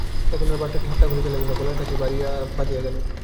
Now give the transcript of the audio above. এখন আর ঠাট্টা করিতে পারিল না, গলার কাছে আসিয়া বাধিয়া গেল।